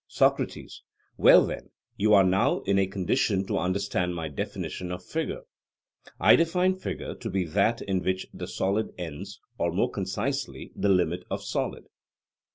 SOCRATES: Well then, you are now in a condition to understand my definition of figure. I define figure to be that in which the solid ends; or, more concisely, the limit of solid.